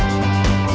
aku bisa berkata kata